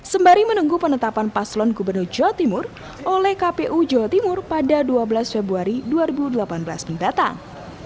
sembari menunggu penetapan paslon gubernur jawa timur oleh kpu jawa timur pada dua belas februari dua ribu delapan belas mendatang